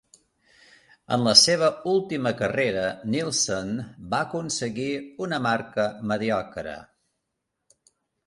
En la seva última carrera, Nilsson va aconseguir una marca mediocre.